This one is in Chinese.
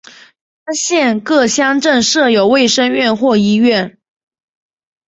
单县各乡镇设有卫生院或医院。